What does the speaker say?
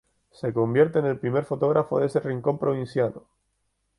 Se convierte en el primer fotógrafo de ese rincón provinciano.